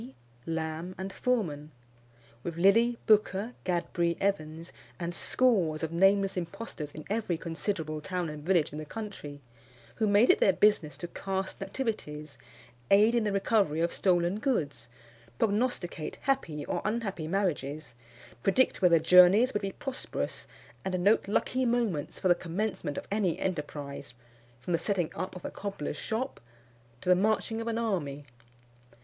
Dee, Lamb, and Forman; with Lilly, Booker, Gadbury, Evans, and scores of nameless impostors in every considerable town and village in the country, who made it their business to cast nativities, aid in the recovery of stolen goods, prognosticate happy or unhappy marriages, predict whether journeys would be prosperous, and note lucky moments for the commencement of any enterprise, from the setting up of a cobbler's shop to the marching of an army.